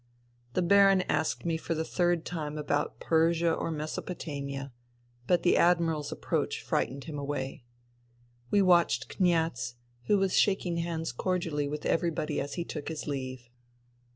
The Baron asked me for the third time about Persia or Mesopotamia ; but the Admiral's approach frightened him away. We watched Kniaz, who was shaking hands cor dially with everybody as he took his leave.